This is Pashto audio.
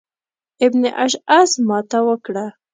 ابن اشعث ماته وکړه.